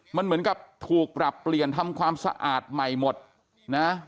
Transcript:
มันเหมือนกับถูกปรับเปลี่ยนทำความสะอาดใหม่หมดนะ